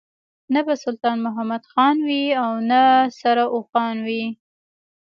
نه به سلطان محمد خان وي او نه سره اوښان وي.